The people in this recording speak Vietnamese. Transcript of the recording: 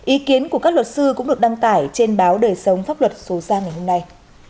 ý kiến của các luật sư cũng được đăng tải trên báo đời sống pháp luật số ra ngày hôm nay